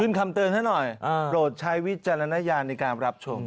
คำเตือนให้หน่อยโปรดใช้วิจารณญาณในการรับชม